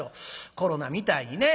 コロナみたいにね。